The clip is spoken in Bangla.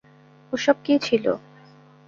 ওসব কী ছিল?